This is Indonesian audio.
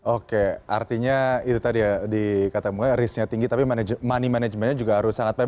oke artinya itu tadi ya dikatakan risknya tinggi tapi money managementnya juga harus sangat baik